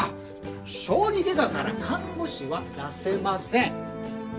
小児外科から看護師は出せません。